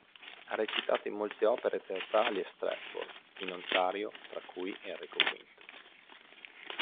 Ha recitato in molte opere teatrali a Stratford, in Ontario, tra cui "Enrico V".